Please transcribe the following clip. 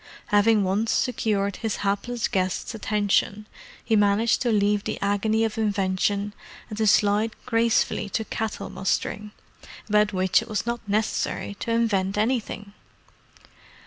Having once secured his hapless guest's attention, he managed to leave the agony of invention and to slide gracefully to cattle mustering, about which it was not necessary to invent anything.